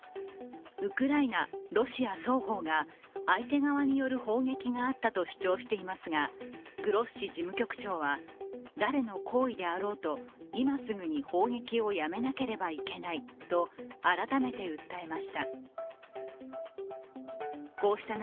ウクライナ、ロシア双方が相手側による砲撃があったと主張していますがグロッシ事務局長は、誰の行為であろうと、今すぐに砲撃をやめなければいけないと改めて訴えました。